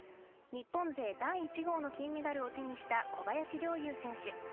日本勢第１号の金メダルを手にした小林陵侑選手。